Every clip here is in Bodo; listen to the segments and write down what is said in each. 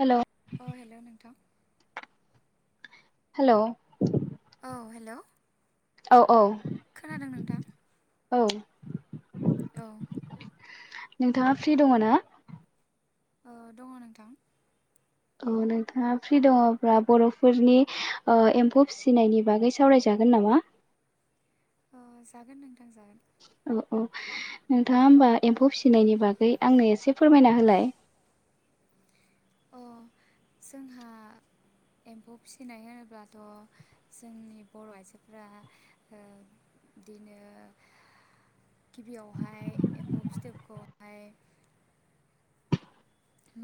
हेल'। अ हेल' नोंथां हेल' औ हेल'। औ औ खोनादों नोंथां? औ औ। नोंथाङा फ्रि दङ ना? ओ दङ नोंथां ओ नोंथाङा फ्रि दङ'ब्ला बर'फोरनि ओ एम्फौ फिसिनायनि बागै सावरायजागोन नामा? अ जागोन नोंथां जागोन। औ औ नोंथाङा होमबा एम्फौ फिसिनायनि बागै आंनो एसे फोरमायना होलाय अ जोंहा एम्फौ फिसिनाय होनोब्लाथ' जोंनि बर' आइजोफोरा ओ बिदिनो गिबियावहाय एम्फौ फिथोबखौहाय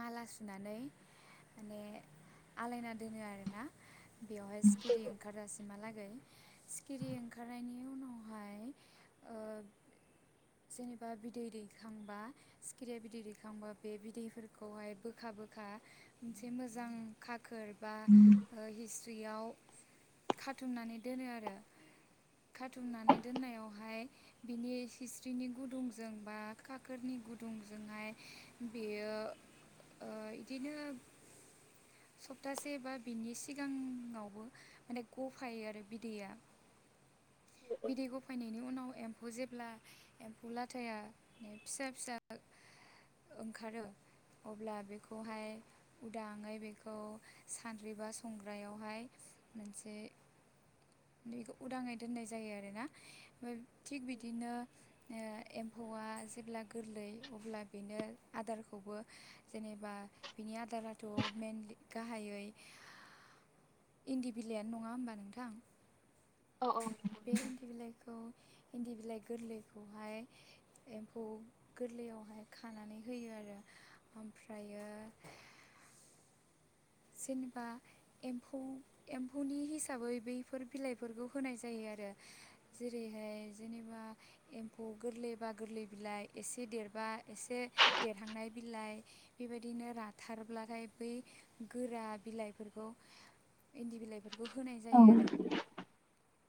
माला सुनानै माने आलायना दोनो आरोना? बेवहाय सिखिरि ओंखारजास मालागै सिखिरि ओंखारनायनि उनावहाय ओ जेनेबा बिदै दैखांबा सिखिरिया बिदै दैखांबा बे बिदैफोरखौहाय बोखा बोखा मोनसे मोजां खाखोर बा। ओ हिस्रियाव खाथुमनानै दोनो आरो। खाथुमनानै दोननायावहाय बिनि हिस्रिनि गुदुंजों बा खाखोरनि गुदुंजोंहाय बेयो ओ इदिनो सप्तासे बा बिनि सिगाङावबो माने गफायो आरो बिदैया। [inaudible] बिदै गफायनायनि उनाव एम एम्फौ जेब्ला एम्फौ लाथाया फिसा फिसा ओंखारो अब्ला बेखौहाय उदाङै बे खौ सान्द्रिबा संग्रायावहाय मोनसे बेखौ उदाङै दोननाय जायो आरोना ओमफाय थिग बिदिनो ओ एम्फौआ जेब्ला गोरलै अब्ला बेनो आदारखौबो जेनेबा बिनि आदाराथ' मेनलि गाहायै [inaudible] इन्दि बिलाइयानो नङा होमबा नोंथां। औ औ। बे इन्दि बिलाइखौ इन्दि बिलाइ गोरलैखौहाय एम्फौ गोरलैयावहाय खानानै होयो आरो ओमफ्रायो जेनेबा एम्फौ एम्फौनि हिसाबै बैफोर बिलाइफोरखौ होनाय जायो आरो। जेरैहाय जेनेबा एम्फौ गोरलैबा गोरलै बिलाइ एसे देरबा एसे देरहांनाय बिलाइ। बेबायदिनो राथारब्लाथाय बै गोरा बिलाइफोरखौ इन्दि बिलाइफोरखौ होनाय औ जायो आरो।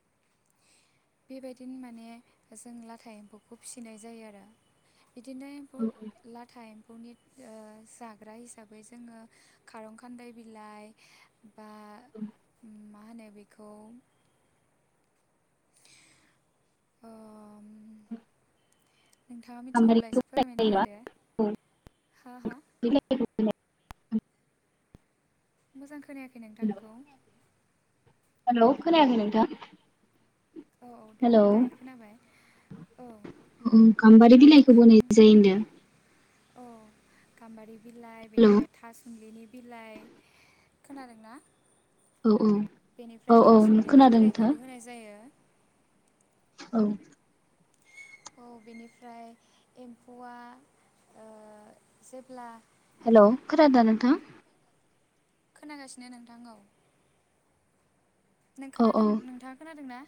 [inaudible] बेबायदिनो माने जों लाथा एम्फौखौ फिसिनाय जायो आरो बिदिनो एम्फौ औ [unintelligible] लाथा एम्फौनि ओ जाग्रा हिसाबै जोङो खारं खान्दाय बिलाइ बा मा होनो बेखौ। ओम [unintelligible] नोंथाङा गाम्बारि मिथिगौब्ला एसे फोरमायना बिलाइखौ होदो हा हा बि [inaudible] मोजां खोनायाखै नोंथांखौ। हेलौ खोनायाखै नोंथां। औ औ दे हेलौ दायो खोनाबाय। औ औ गाम्बारि बिलाइखौबो होनाय जायो होनदों। अ गाम्बारि बिलाइ हेलौ बेनिफ्राय थासुमलिनि बिलाइ खोनादों ना? औ औ बेनिफ्राय औ थासुमलिनि खोनादों नोंथां बिलाइखौबो होनाय जायो। औ। औ बेनिफ्राय एम्फौआ ओ जेब्ला हेल' खोनादो नोंथां। खोनागासिनो नोंथां औ नों औ औ खोनादों नोंथाङा खोनादों ना।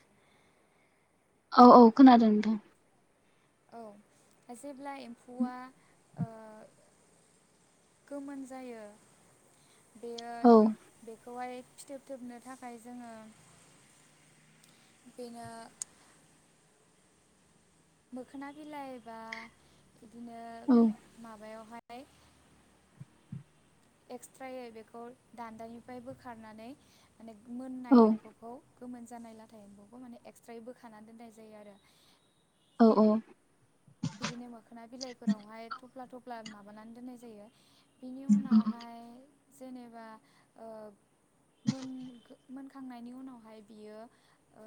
औ औ खोनादों नोंथां। औ जेब्ला एम्फौआ ओ गोमोन जायो बेयो औ बेखौहाय फिथोब थोबनो थाखाय जोङो बेनो मोखोना बिलाइ बा बिदिनो औ माबायावहाय एक्सट्रायै बेखौ दान्दानिफ्राय बोखारनानै माने मोननाय औ एम्फौखौ गोमोन जानाय लाथा एम्बखौ माने एक्सट्रायै बोखाना दोननाय जायो आरो औ औ। बिदिनो मोखोना बिलाइफोरावहाय थफ्ला थफ्ला माबानानै दोननाय जायो। बिनि उनावहाय जेनेबा ओ मोन मोनखांनायनि उनावहाय बियो ओ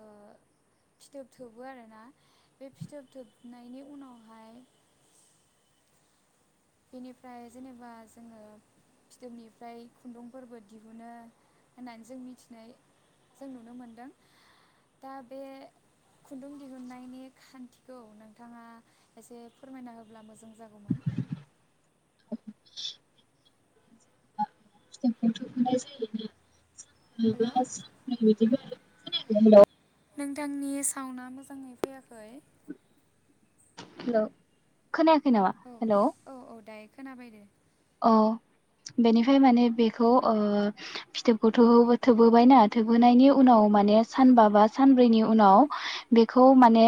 फिथोब थोबो आरोना बे फिथोब थोबनायनि उनावहाय बेनिफ्राय जेनेबा जोङो फिथोबनिफ्राय खुन्दुंफोरबो दिहुनो होननानै जों मिथिनाय जों नुनो मोनदों दा बे खुन्दुं दिहुननायनि खान्थिखौ नोंथाङा एसे फोरमायना होब्ला मोजां जागौमोन। फिथखौथ' थोननाय जायोना सानफा हेल' बा सानब्रै बिदिबो नोंथांनि साउन्डआ मोजाङै फैयाखै। हेलौ खोनायाखै नामा औ हेलौ औ औ दायो खोनाबाय दे। अ बेनिफ्राय माने बेखौ ओ फिथोबखौथ' थोबहोबायना थोबहोनायनि उनाव माने सानबा बा सानब्रैनि उनाव बेखौ माने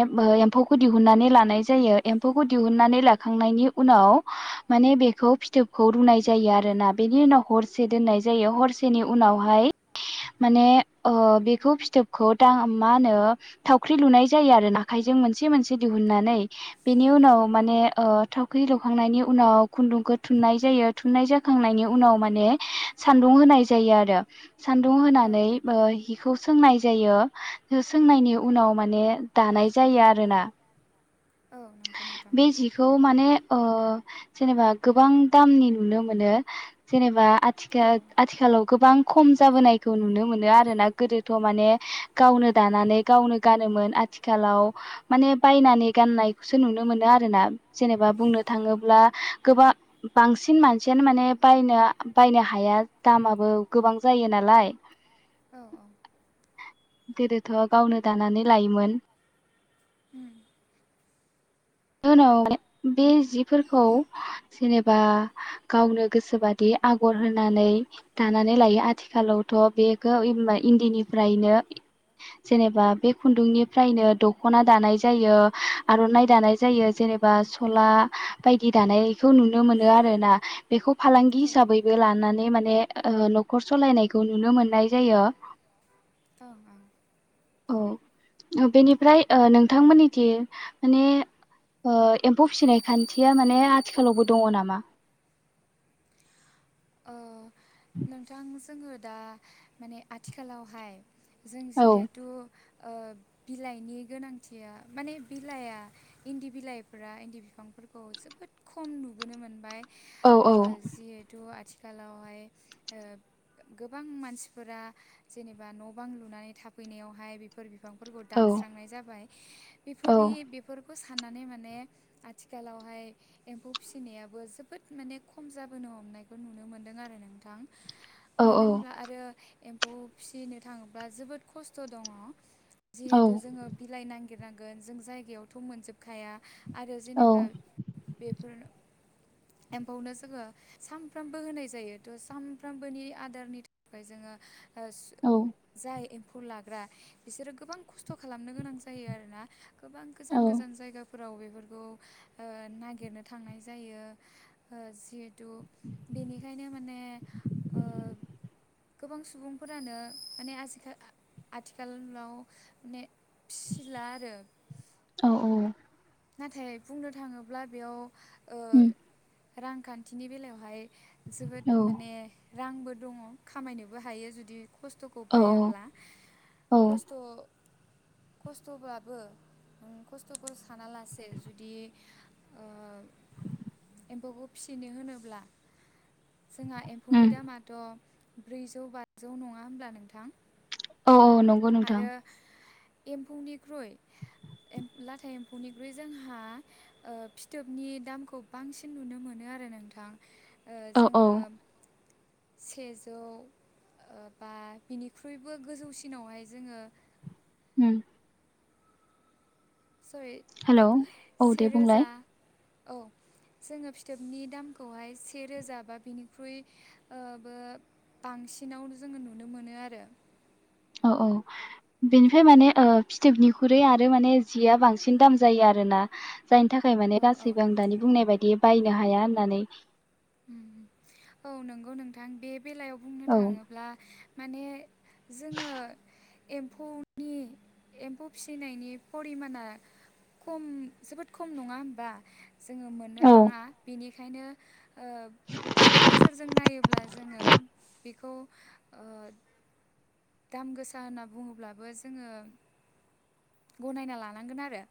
एम्फौखौ दिहुननानै लानाय जायो एम्फौखौ दिहुननानै लाखांनायनि उनाव माने बेखौ फिथोबखौ रुनाय जायो आरोना बेनि उनाव हरसे दोननाय जायो हरसे हरसेनि उनावहाय माने ओ फिथोबखौ दा मा होनो थावख्रि लुनाय जायो आरो आखाइजों मोनसे मोनसे दिहुननानै बेनि औ उनाव औ माने ओ थाव थावख्रि लुखांनायनि उनाव खुन्दुंखौ थुननाय जायो थुननाय जाखांनायनि उनाव माने सान्दुं होनाय जायो आरो सान्दुं औ होनानै ओ औ हिखौ सोंनाय जायो सोंनायनि उनाव माने दानाय जायो आरोना औ नंगौ नोंथां। बे जि थौ माने ओ जेनेबा गोबां दामनि नुनो मोनो जेनेबा औ आथिखाल आथिखालाव गोबां खम जाबोनायखौ नुनो मोनो आरोना गोदोथ' माने गावनो दानानै गावनो गानोमोन आथिखालाव माने बायनानै गाननाय खौसो नुनो मोनो आरो ना जेनेबा बुंनो थाङोब्ला गोबां बांसिन मानसियानो माने बायनो बायनो हाया दामाबो गोबां जायो नालाय औ औ। गोदोथ' गावनो दानानै लायोमोन। उम उनाव बे जिफोरखौ जेनेबा गावनो गोसोबादि आगर होनानै दानानै लायो आथिखालावथ' बेखौ इन्दिनिफ्रायनो जेनेबा बे खुन्दुंनिफ्रायनो दख'ना दानाय जायो आर'नाइ दानाय जायो जेनेबा सला बायदि दानायखौ नुनो मोनो आरोना। बेखौ फालांगि औ हिसाबैबो लानानै माने न'खर सलायनायखौ नुनो मोननाय जायो। औ औ औ बेनिफ्राय ओ नोंथांमोनथिं माने ओ एम्फौ फिसिनाय खान्थिया माने आथिखालावबो दङ नामा? ओ नोंथां जोङो दा माने आथिखालावहाय जों औ जिहेथु ओ बिलाइनि गोनांथिया माने बिलाइआ इन्दि बिलाइफोरा इन्दि बिफांफोरखौ जोबोद खम नुबोनो मोनबाय। औ ओ औ जिहेथु आथिखालावहाय ओ गोबां मानसिफोरा जेनेबा न'-बां लुनानै थाफैनायावहाय बेफोर बिफांफोरखौ औ औ दानस्रांनाय जाबाय औ बेफोरनि बेफोरखौ साननानै माने आथिखालावहाय एम्फौ फिसिनायाबो जोबोद माने खम जाबोनो हमनाय नुनो मोनदों आरो नोंथां औ मानो होनब्ला आरो एम्फौ फिसिनो थाङोब्ला जोबोद खस्थ' दङ औ जिहेथु जोंङो बिलाइ नागिरनांगोन जों जायगायावथ' मोनजोबखाया आरो जेनेबा औ बेफोर एम्फौनो जोंङो साम फ्रामबो होनाय जायो थ' सानफ्रामबोनि आदारनि थाखाय जोंङो जाय एम्फौ लाग्रा बिसोरो गोबां खस्थ' खालामनो गोनां जायो आरोना गोबां औ गोजान गोजान जायगाफोराव बेफोरखौ ओ नागिरनो थांनाय जायो ओ जिहेथु बेनिखायनो माने ओ गोबां सुबुंफोरानो माने आजिखा आथिखालाव माने फिसिला आरो औ औ नाथाय बुंनो थाङोब्ला बेयाव ओ उम रांखान्थिनि बेलायावहाय औ जोबोद माने रांबो दङ खामायनोबो हायो जुदि खस्थ'खौ औ बायाब्ला औ खस्थ' खस्थ'ब्लाबो खस्थ'फोर सानालासे जुदि ओ एम्फौखौ फिसिनो होनोब्ला जोंहा एम्फौनि उम दामाथ' ब्रैजौ बाजौ नङा होनोमब्ला नोंथां औ औ नं आरो एम्फौनिख्रुइ एम लाथा एम्फौनिख्रुइ जोंहा ओ फिथोबनि दामखौ बांसिन नुनो मोनो आरो नोंथां ओ औ औ जोंङो सेजौ बा बिनिख्रुइबो गोजौसिनावहाय जोंङो अम सरि हेलौ औ दे बुंलाय सेेरोजा औ जोंङो फिथोबनि दामखौहाय से रोजा बा बिनिख्रुइ ओ बो बांसिनाव जोंङो नुनो मोनो आरो। औ औ बेनिफ्राय माने ओ फिथोबनिख्रुइ आरो माने जिया बांसिन दाम जायो आरोना जायनि थाखाय माने औ औ गासैबो आं दानि बुंनाय बायदि बायनो हाया होननानै औ नंगौ नोंथां बे बेलायाव बुंनो औ थाङोब्ला माने जोङो एम्फौनि एम्फौ फिसिनायनि फरिमाना खम जोबोद खम नङा होमबा जोङो मोननो औ थाङा बेनिखायनो ओ बे नोजोरजों नायोब्ला जोङो बेखौ ओ दाम गोसा होनना बुङोब्लाबो जोङो गनायना लानांगोन आरो।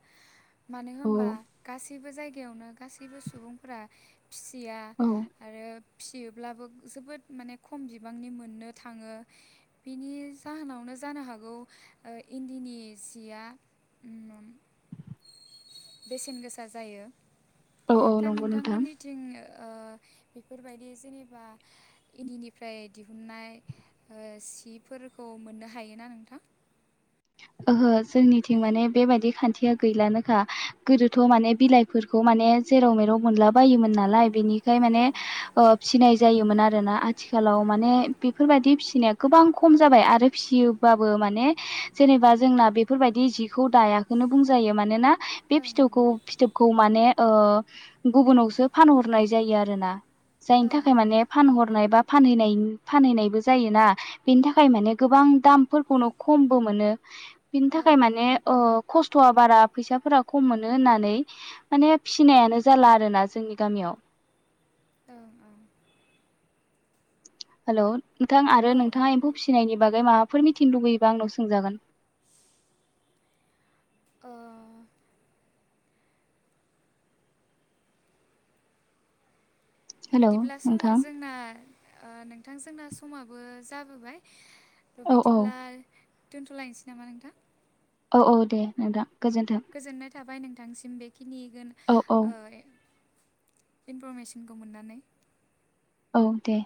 मानो औ होनबा गासैबो जायगायावनो गासैबो सुबुंफोरा फिसिया औ आरो फिसियोब्लाबो जोबोद माने खम बिबांनि मोननो थाङो। बिनि जाहोनावनो जानो हागौ इन्दिनि सिया बेसेन गोसा जायो औ औ दा नंगौ नोंथां नोंथांमोननिथिं बेफोरबायदि जेनेबा इन्दिनिफ्राय दिहुननाय सिफोरखौ मोननो हायोना नोंथां। ओहो जोंनिथिं माने बेबायदि खान्थिया गैलानोखा गोदोथ' माने बिलाइ बेफोरखौ माने जेराव मेराव मोनला बायोमोन नालाय बेनिखाय माने औ ओ फिसिनाय जायोमोन आरोना आथिखालाव माने बेफोरबायदि फिसिनाया गोबां खम जाबाय आरो फिसियो बाबो माने जेनेबा जोंना बेफोरबायदि जिखौ दायाखनो बुंजायो मानोना बे ओं फिथोबखौ फिथोब खौ माने ओ गुबुनावसो फानहरनाय जायो आरो ना। जायनि ओं थाखाय माने फानहरनाय बा फानहैनाय फानहैनायबो जायोना बेनि थाखाय माने गोबां दामफोरखौनो खमबो मोनो। बिनि ओं औ थाखाय माने ओ खस्थ'आ बारा फैसाफोरा खम मोनो होननानै माने फिनायानो जाला आरो ना जोंनि गामियाव। ओं ओं हेल' नोंथां आरो औ नोंथाङा एम्फौ फिसिनायनि बागै माबाफोर मिथिनो लुबैयोबा आंनाव सोंजागोन। ओ हेलौ बिदिब्ला समाव नोंथां जोंना नोंथां जोंना समाबो जाबोबाय औ बिदिब्ला दोन्थ'लायनोसै नामा नोंथां? औ औ दे नोंथां गोजोन्थों। गोजोननाय थाबाय नोंथांसिम बेखिनि गोन औ औ ओ ए इनफरमेसनखौ मोननानै। औ दे।